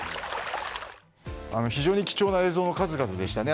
非常に貴重な映像の数々でしたね。